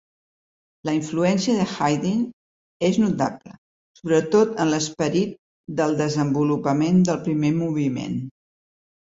La influència de Haydn és notable, sobretot en l'esperit del desenvolupament del primer moviment.